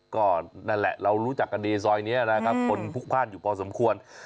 ก็นั่นแหละเรารู้จักกันดีซอยนี้นะครับคนพลุกพ่านอยู่พอสมควร